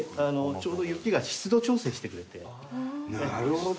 ちょうど雪が湿度調整してくれてなるほど！